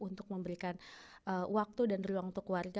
untuk memberikan waktu dan ruang untuk warga